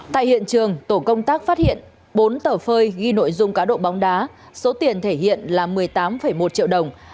tại hiện trường tổ công tác phát hiện bốn tờ phơi ghi nội dung cá độ bóng đá số tiền thể hiện là một mươi tám một triệu đồng